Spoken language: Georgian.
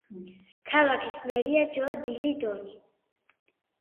ქალაქის მერია ჯო დილი დონი.